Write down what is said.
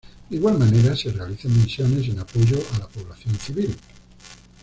De igual manera se realizan misiones en apoyo a la población civil.